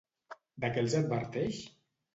De què els adverteix?